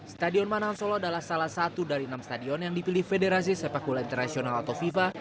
stadion manahan solo adalah salah satu dari enam stadion yang dipilih federasi sepak bola internasional atau fifa